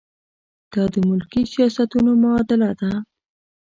دا د ملکي سیاستونو معادله ده.